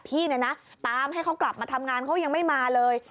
พี่เนี่ยนะตามให้เขากลับมาทำงานเขายังไม่มาเลย